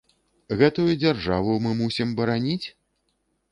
Гэтую дзяржаву мы мусім бараніць?